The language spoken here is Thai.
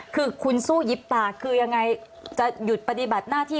คือคุณสู้ยิบตาคือยังไงจะหยุดปฏิบัติหน้าที่